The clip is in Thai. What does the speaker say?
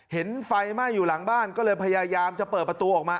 เห็นไฟไหม้อยู่หลังบ้านก็เลยพยายามจะเปิดประตูออกมา